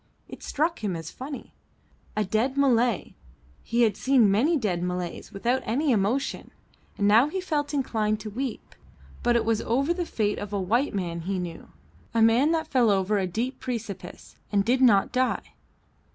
It struck him as funny. A dead Malay; he had seen many dead Malays without any emotion; and now he felt inclined to weep, but it was over the fate of a white man he knew; a man that fell over a deep precipice and did not die.